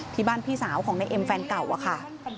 ที่บ้านพี่สาวของในเอ็มแฟนเก่าค่ะ